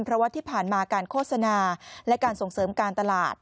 เพราะว่าที่ผ่านมาการโฆษณาและการส่งเสริมการตลาด